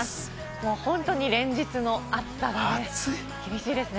もう本当に、連日の暑さがね、厳しいですね。